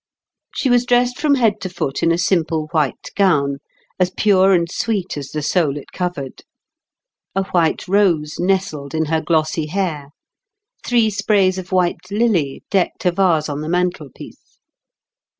She was dressed from head to foot in a simple white gown, as pure and sweet as the soul it covered. A white rose nestled in her glossy hair; three sprays of white lily decked a vase on the mantel piece.